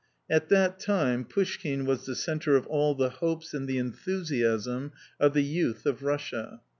At that time, Pouschkine was the centre of all the hopes and the enthusiasm of the youth of Russia.